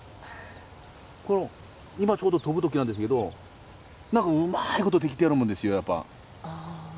今ちょうど飛ぶときなんですけどなんかうまいことできてるもんですよやっぱ。